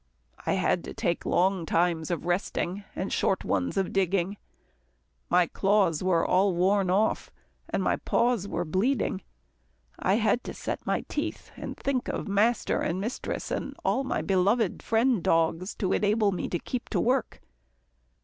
I had to take long times of resting, and short ones of digging. My claws were all worn off, and my paws were bleeding. I had to set my teeth, and think of master and mistress and all my beloved friend dogs, to enable me to keep to work.